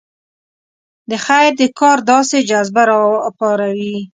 د خیر د کار داسې جذبه راپاروي.